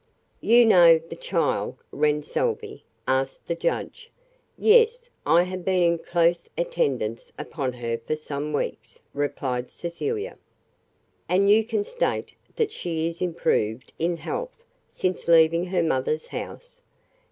"You know the child Wren Salvey?" asked the judge. "Yes. I have been in close attendance upon her for some weeks," replied Cecilia. "And you can state that she is improved in health since leaving her mother's house?"